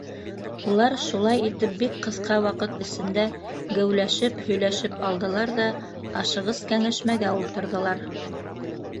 Улар шулай итеп бик ҡыҫҡа ваҡыт эсендә геүләшеп һөйләшеп алдылар ҙа, ашығыс кәңәшмәгә ултырҙылар.